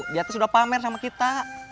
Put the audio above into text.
dia tuh sudah pamer sama kita